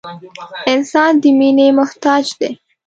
• انسان د مینې محتاج دی.